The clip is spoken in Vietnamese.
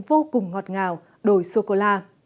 tên vô cùng ngọt ngào đồi sô cô la